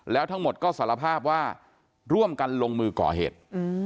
แล้วทั้งหมดก็สารภาพว่าร่วมกันลงมือก่อเหตุ